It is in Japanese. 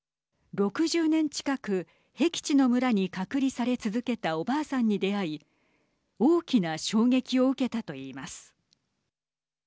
６０年近く、へき地の村に隔離され続けたおばあさんに出会い大きな衝撃を受けたと言います。